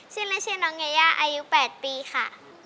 ชื่อเล่นชื่อน้องยายาอายุ๘ปีค่ะ